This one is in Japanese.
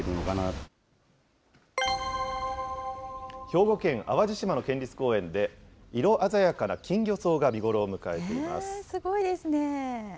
兵庫県淡路島の県立公園で、色鮮やかなキンギョソウが見頃をすごいですね。